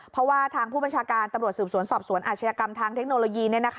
เพราะว่าทางผู้บัญชาการตำรวจสืบสวนสอบสวนอาชญากรรมทางเทคโนโลยี